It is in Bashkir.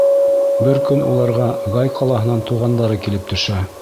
Бер көн уларға Гай ҡалаһынан туғандары килеп төшә.